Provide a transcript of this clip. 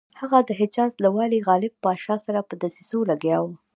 هغه د حجاز له والي غالب پاشا سره په دسیسو لګیا وو.